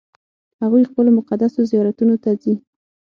هغوی خپلو مقدسو زیارتونو ته ځي.